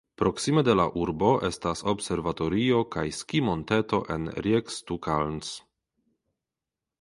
Proksime de la urbo estas observatorio kaj skimonteto en Riekstukalns.